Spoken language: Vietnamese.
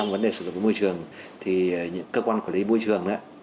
vấn đề sử dụng môi trường thì những cơ quan quản lý môi trường